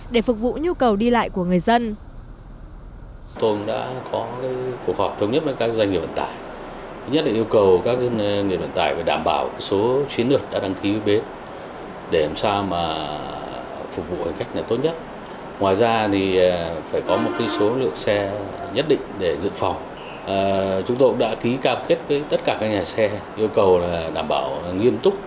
để phục vụ nhu cầu đi lại của người dân